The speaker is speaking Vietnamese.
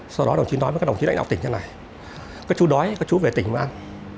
sau đó đồng chí nói với các đồng chí lãnh đạo tỉnh như thế này có chú đói có chú về tỉnh mà ăn